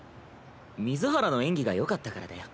水原の演技がよかったからだよ。